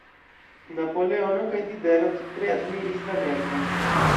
Napoleono kaj Diderot tre admiris la verkon.